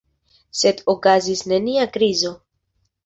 Sed okazis nenia krizo.